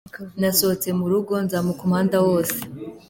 Nasohotse mu rugo, nzamuka umuhanda wose.